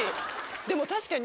でも確かに。